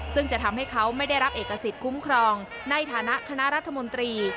ซึ่งจะทำให้เขาไม่ได้รับเอกสิทธิ์คุ้มครองในฐานะคณะรัฐมนตรี